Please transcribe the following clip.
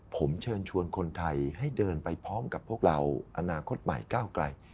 ผมเชิญชวนคนไทยให้เดินไปพร้อมกับพวกเราอนาคตใหม่ก้าวไกล